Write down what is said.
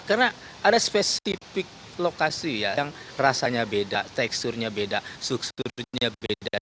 karena ada spesifik lokasi yang rasanya beda teksturnya beda suksesnya beda